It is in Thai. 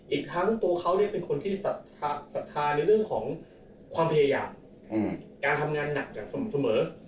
อีกทั้งตัวเขาเป็นคนที่ศรัทธาในเรื่องของความพยายามการทำงานหนักอย่างสม่ำเสมอ